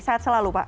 sehat selalu pak